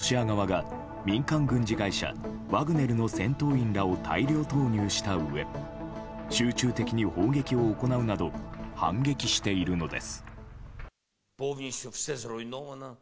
ウクライナ側が制圧を試みたもののロシア側が民間軍事会社ワグネルの戦闘員らを大量投入したうえ集中的に砲撃を行うなど反撃しているのです。